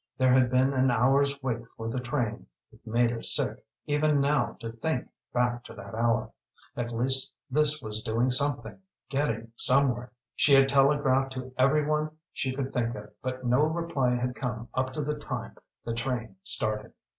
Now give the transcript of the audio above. There had been an hour's wait for the train; it made her sick, even now, to think back to that hour. At least this was doing something, getting somewhere. She had telegraphed to every one she could think of, but no reply had come up to the time the train started.